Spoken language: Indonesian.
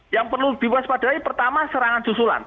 yang perlu diwaspadai pertama serangan susulan